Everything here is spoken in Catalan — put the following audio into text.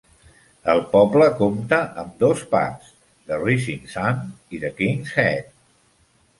El poble compta amb dos pubs: The Rising Sun i The Kings Head.